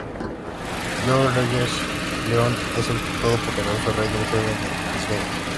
Georges Leon es el todopoderoso rey del juego de Las Vegas.